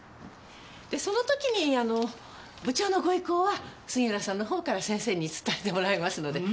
でその時にあの部長のご意向は杉浦さんの方から先生に伝えてもらいますので。